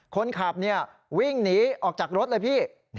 คนขับวิ่งหนีออกจากรถเลยพี่